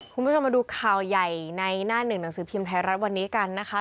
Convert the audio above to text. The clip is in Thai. คุณผู้ชมมาดูข่าวใหญ่ในหน้าหนึ่งหนังสือพิมพ์ไทยรัฐวันนี้กันนะคะ